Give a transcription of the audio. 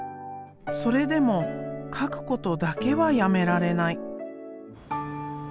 それでも描くことだけはやめられない。